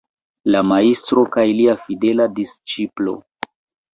La Majstro kaj lia fidela disĉiplo.